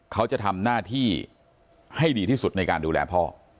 เขาจะทำหน้าที่ให้ดีที่สุดในการดูแลพ่อ